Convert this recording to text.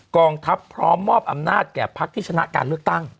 กองทัพพร้อมมอบอำนาจแก่พักที่ชนะการเลือกตั้ง